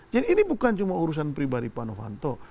jadi ini bukan cuma urusan pribadi pak novanto